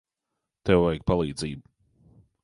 Tev vajag palīdzību.